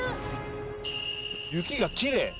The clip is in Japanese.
「雪がきれい！」